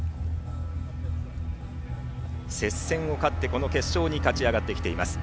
接戦を勝って、この決勝に勝ち上がってきています。